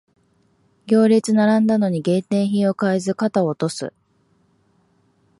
行列に並んだのに限定品を買えず肩を落とす